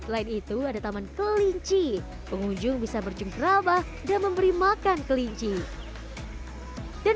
lain itu ada taman kelinci pengunjung bisa bercengkrabah dan memberi makan kelinci dan